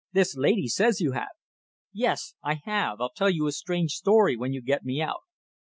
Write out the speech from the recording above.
"This lady says you have." "Yes, I have. I'll tell you a strange story when you get me out."